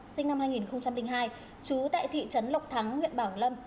sinh năm hai nghìn hai chú tại thị trấn lộc thắng huyện bảo lâm